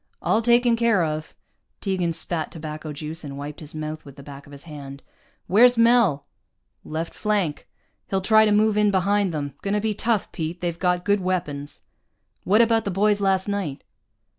"All taken care of." Tegan spat tobacco juice, and wiped his mouth with the back of his hand. "Where's Mel?" "Left flank. He'll try to move in behind them. Gonna be tough, Pete, they've got good weapons." "What about the boys last night?"